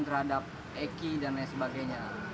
terhadap eki dan lain sebagainya